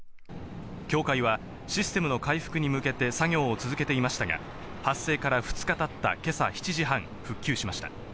協会はシステムの回復に向けて作業を続けていましたが、発生から２日たった今朝７時半、復旧しました。